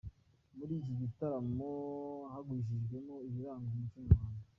Muri iki gitaramo hagurishirijwemo ibiranga umuco nyarwanda.